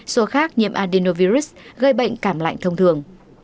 số khác nhiễm adinovirus gây bệnh cảm lạnh thông thường